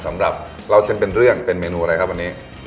สำหรับเล่าเส้นเป็นเรื่องเป็นเมนูอะไรครับวันนี้